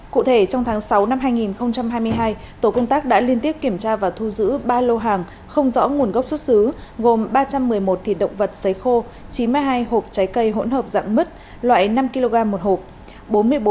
cụ thể trong tháng sáu năm hai nghìn hai mươi hai tổ công tác đã liên tiếp kiểm tra và thu giữ ba lô hàng không rõ nguồn gốc xuất xứ gồm ba trăm một mươi một thịt động vật xấy khô chín mươi hai hộp trái cây hỗn hợp dạng mứt loại năm kg một hộp